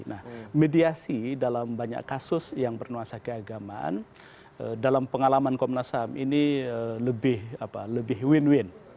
nah mediasi dalam banyak kasus yang bernuansa keagamaan dalam pengalaman komnas ham ini lebih win win